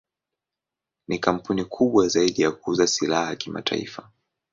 Ni kampuni kubwa zaidi ya kuuza silaha kimataifa.